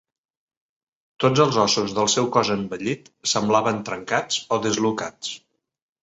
Tots els ossos del seu cos envellit semblaven trencats o dislocats.